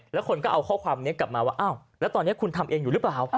แล้วคนก็เอาข้อความนี้กลับมาว่าอ้าวแล้วตอนนี้คุณทำเองอยู่หรือเปล่า